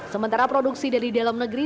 sementara produksi dari dalam negeri